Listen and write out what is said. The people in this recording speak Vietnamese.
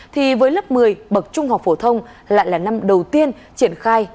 thì với lớp một mươi bậc trung học phổ thông lại là năm đầu tiên triển khai